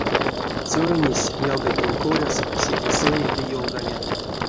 Цёрынесь ялгатнень коряс седе сэрей ды ёлганя.